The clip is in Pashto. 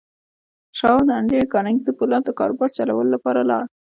شواب د انډريو کارنګي د پولادو د کاروبار چلولو لپاره لاړ.